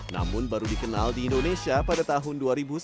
namun baru dikenal di indonesia pada tahun dua ribu sembilan belas